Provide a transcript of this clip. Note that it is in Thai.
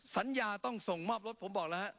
สัญญาต้องส่งมอบรถผมบอกแล้วฮะ